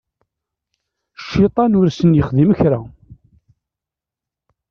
Cciṭan ur sen-yexdim kra.